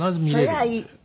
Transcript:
そりゃいい。